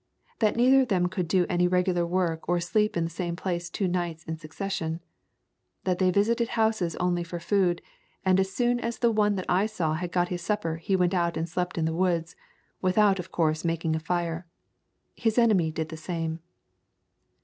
That neither of them could do any regular work or sleep in the same place two nights in succession. That they visited houses only for food, and as soon as the one that I saw had got his supper he went out and slept in the woods, without of course making a fire. His enemy did the same.